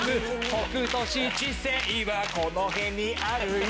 北斗七星はこの辺にあるよ